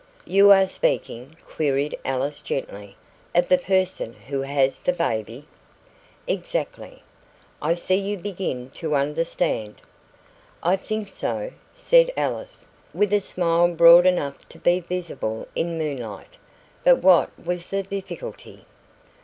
"You are speaking," queried Alice gently, "of the person who has the baby?" "Exactly. I see you begin to understand." "I think so," said Alice, with a smile broad enough to be visible in moonlight. "But what was the difficulty?"